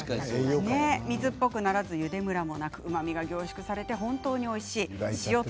水っぽくならずにゆでムラもなくうまみが凝縮されて本当においしいです。